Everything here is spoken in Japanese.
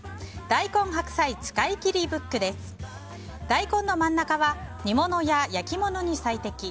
大根の真ん中は煮物や焼き物に最適。